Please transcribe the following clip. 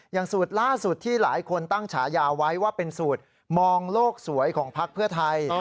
อย่างสูตรล่าสุดที่หลายคนตั้งฉายาไว้ว่าเป็นสูตรมองโลกสวยของพักเพื่อไทย